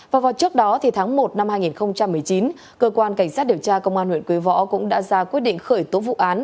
và vào trước đó tháng một năm hai nghìn một mươi chín cơ quan cảnh sát điều tra công an huyện quế võ cũng đã ra quyết định khởi tố vụ án